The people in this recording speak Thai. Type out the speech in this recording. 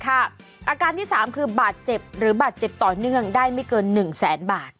อาการที่๓คือบาดเจ็บหรือบาดเจ็บต่อเนื่องได้ไม่เกิน๑แสนบาท